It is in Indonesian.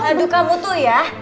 aduh kamu tuh ya